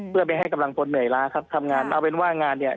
เพื่อไม่ให้กำลังพลเหนื่อยล้าครับทำงานเอาเป็นว่างานเนี่ย